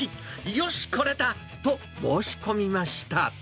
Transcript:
よし、これだと申し込みました。